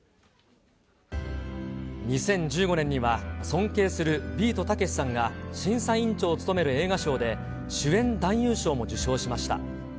２０１５年には、尊敬するビートたけしさんが審査委員長を務める映画賞で、主演男優賞も受賞しました。